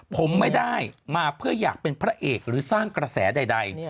ผมไม่ได้มาเพื่ออยากเป็นพระเอกหรือสร้างกระแสใด